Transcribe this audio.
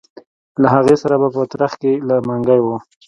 له هغې سره به په یو ترخ کې منګی و.